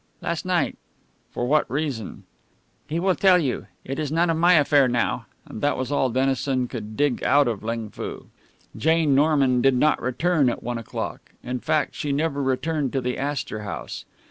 "Last night." "For what reason?" "He will tell you. It is none of my affair now." And that was all Dennison could dig out of Ling Foo. Jane Norman did not return at one o'clock; in fact, she never returned to the Astor House.